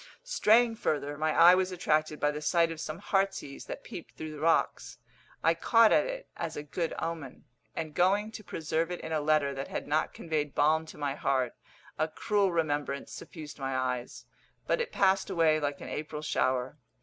Straying further, my eye was attracted by the sight of some heartsease that peeped through the rocks. I caught at it as a good omen, and going to preserve it in a letter that had not conveyed balm to my heart, a cruel remembrance suffused my eyes; but it passed away like an April shower.